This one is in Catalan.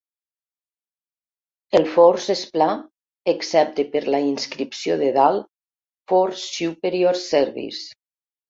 El fors és pla excepte per la inscripció de dalt "For Superior Service".